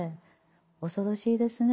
恐ろしいですね。